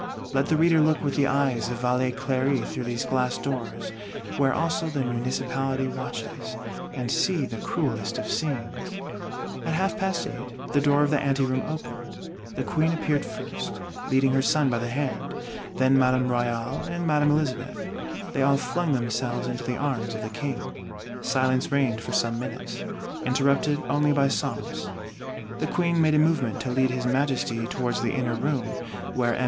Let the Reader look with the eyes of Valet Cléry through these glass doors, where also the Municipality watches; and see the cruelest of scenes: "At half past eight, the door of the ante room opened: the Queen appeared first, leading her Son by the hand; then Madame Royale and Madame Elizabeth: they all flung themselves into the arms of the King. Silence reigned for some minutes; interrupted only by sobs. The Queen made a movement to lead his Majesty towards the inner room, where M.